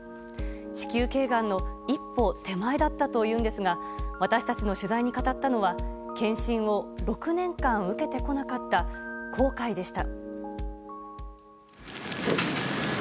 子宮頸がんの一歩手前だったというんですが私たちの取材に語ったのは検診を６年間受けてこなかった後悔でした。